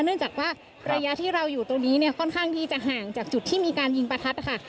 เนื่องจากว่าระยะที่เราอยู่ตรงนี้เนี่ยค่อนข้างที่จะห่างจากจุดที่มีการยิงประทัดนะคะ